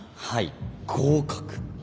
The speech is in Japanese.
はい合格。